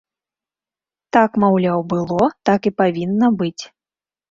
Так, маўляў, было, так і павінна быць.